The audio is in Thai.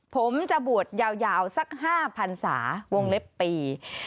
ผมจะบวชยาวสัก๕พันศาวงเล็บปี